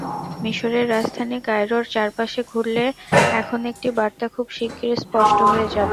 মিসরের রাজধানী কায়রোর চারপাশে ঘুরলে এখন একটি বার্তা খুব শিগগির স্পষ্ট হয়ে যাবে।